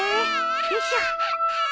よいしょ。